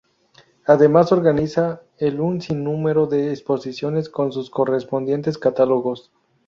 Además organiza el un sinnúmero de exposiciones con sus correspondientes catálogos.